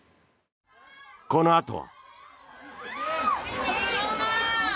このあとは。